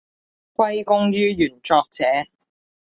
歸功於原作者